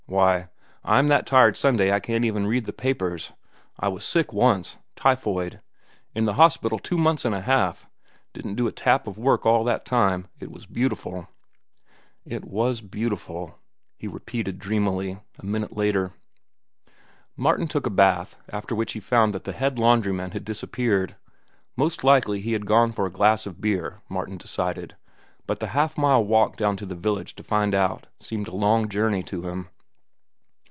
Why, I'm that tired Sunday I can't even read the papers. I was sick once—typhoid. In the hospital two months an' a half. Didn't do a tap of work all that time. It was beautiful." "It was beautiful," he repeated dreamily, a minute later. Martin took a bath, after which he found that the head laundryman had disappeared. Most likely he had gone for a glass of beer Martin decided, but the half mile walk down to the village to find out seemed a long journey to him.